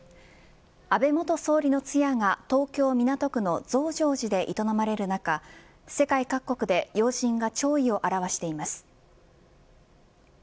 安倍元総理の通夜が、東京港区の増上寺で営まれる中世界各国で要人が弔意を表しています。